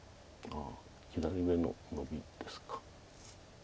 ああ左上のノビですか。